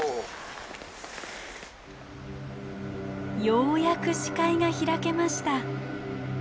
ようやく視界が開けました。